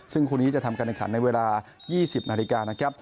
ซึ่งคู่นี้จะทำการการในเวลา๒๐นาฬิกา